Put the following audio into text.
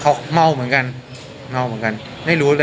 หายใจหรือว่าถามไปนอนข้างห้องหายใจหรือเปล่า